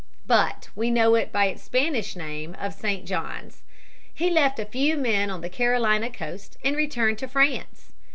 But we know it by its Spanish name of St. Johns. He left a few men on the Carolina coast and returned to France.